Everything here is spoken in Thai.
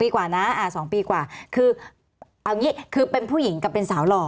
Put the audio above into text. คือเป็นผู้หญิงกับเป็นสาวหล่อ